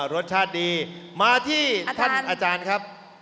รสชาติดีมาที่ท่านอาจารย์ครับ